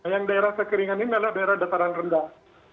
yang daerah kekeringan ini adalah daerah dataran rendah